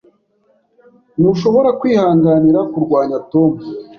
Ntushobora kwihanganira kurwanya Tom.